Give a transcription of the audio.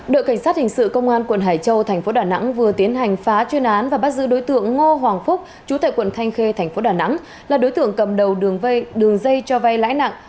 đội cảnh sát hình sự công an quận hải châu tp đà nẵng vừa tiến hành phá chuyên án và bắt giữ đối tượng ngo hoàng phúc chủ tệ quận thanh khê tp đà nẵng là đối tượng cầm đầu đường dây cho vay lãi nặng